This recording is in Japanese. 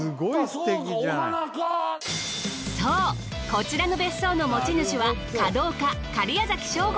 そうこちらの別荘の持ち主は。